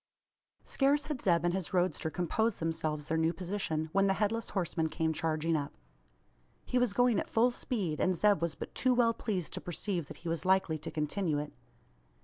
Scarce had Zeb and his roadster composed themselves their new position, when the Headless Horseman came charging up. He was going at full speed; and Zeb was but too well pleased to perceive that he was likely to continue it.